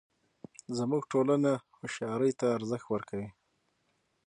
زموږ ټولنه هوښیارۍ ته ارزښت ورکوي